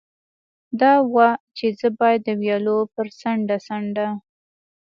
دا وه، چې زه باید د ویالو پر څنډه څنډه.